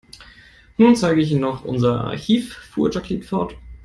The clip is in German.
Nun zeige ich Ihnen noch unser Archiv, fuhr Jacqueline fort.